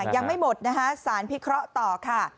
ยังไม่หมดนะคะสารพิเคราะห์ต่อค่ะ